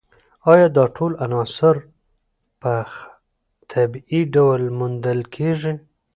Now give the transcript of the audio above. ایا دا ټول عناصر په طبیعي ډول موندل کیږي